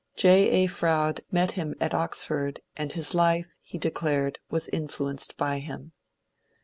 J. A. Fronde met him at Oxford and his life, he declared, was influenced by him.